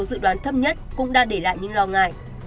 dự đoán thấp nhất cũng đã để lại những lo ngại